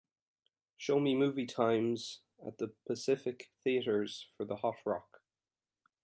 Show me movie times at the Pacific Theatres for The Hot Rock